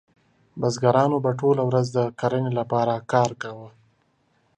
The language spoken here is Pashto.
بزګرانو به ټوله ورځ د کرنې لپاره کار کاوه.